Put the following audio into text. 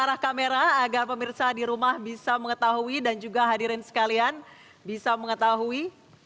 arah kamera agar pemirsa di rumah bisa mengetahui dan juga hadirin sekalian bisa mengetahui